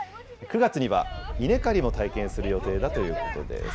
９月には稲刈りも体験する予定だということです。